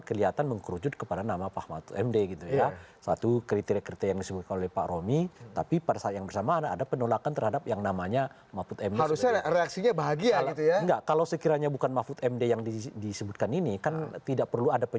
jelang penutupan pendaftaran